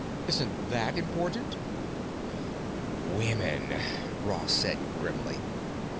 "Isn't that important?" "Women!" Ross said grimly.